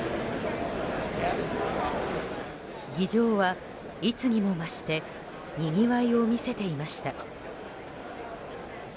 議場は、いつにも増してにぎわいを見せていました。